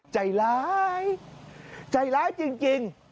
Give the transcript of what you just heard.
ใจร้ายใจร้ายจริง